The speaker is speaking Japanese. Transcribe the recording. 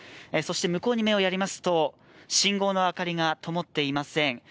そして向こうに目をやりますと信号の明かりがともっていません。